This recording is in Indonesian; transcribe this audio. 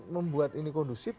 membuat ini kondusif